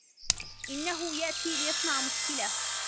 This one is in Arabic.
إنهُ يأتي ليصنع مشكلة.